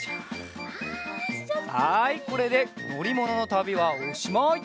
はいこれでのりもののたびはおしまい！